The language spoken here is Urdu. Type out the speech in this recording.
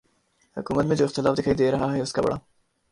حکومت میں جو اختلاف دکھائی دے رہا ہے اس کا بڑا